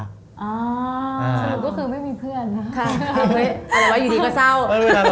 สมมุติก็คือไม่มีเพื่อนนะ